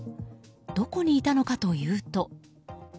どこにいたのかというと。